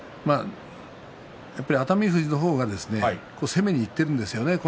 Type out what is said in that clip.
熱海富士の方が攻めにいっているんですね。